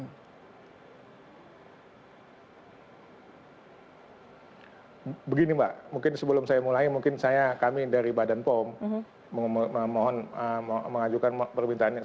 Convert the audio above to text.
nah begini mbak mungkin sebelum saya mulai mungkin saya kami dari badan pom mohon mengajukan permintaan ini